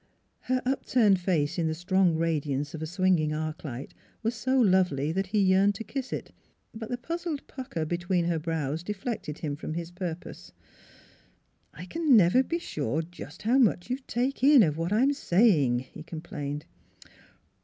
" Her upturned face in the strong radiance of a swinging arc light was so lovely that he yearned to kiss it; but the puzzled pucker between her brows deflected him from his purpose. f " I can never be sure just how much you take in of what I'm saying," he complained.